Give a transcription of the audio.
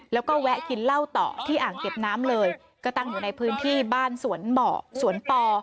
แล้วก็แวะกินเหล้าต่อที่อ่างเก็บน้ำเลยก็ตั้งอยู่ในพื้นที่บ้านสวนเหมาะสวนปอ